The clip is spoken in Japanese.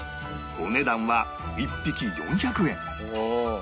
お値段は１匹４００円